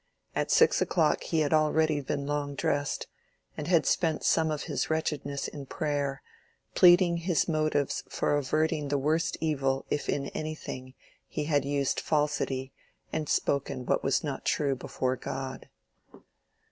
At six o'clock he had already been long dressed, and had spent some of his wretchedness in prayer, pleading his motives for averting the worst evil if in anything he had used falsity and spoken what was not true before God.